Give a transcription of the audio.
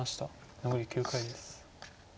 残り９回です。